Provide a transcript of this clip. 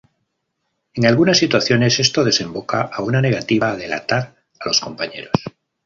En algunas situaciones esto desemboca a una negativa a "delatar" a los compañeros.